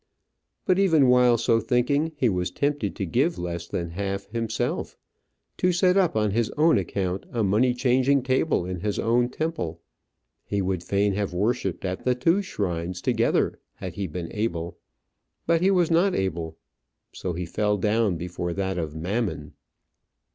But even while so thinking, he was tempted to give less than half himself, to set up on his own account a money changing table in his own temple. He would fain have worshipped at the two shrines together had he been able. But he was not able; so he fell down before that of Mammon.